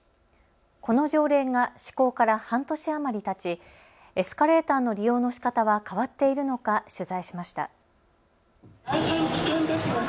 この条例が施行から半年余りたちエスカレーターの利用のしかたは変わっているのか取材しました。